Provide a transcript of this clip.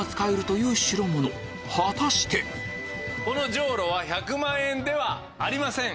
このじょうろは１００万円ではありません。